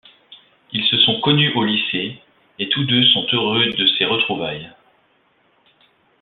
Ils se sont connus au lycée et tous deux sont heureux de ces retrouvailles.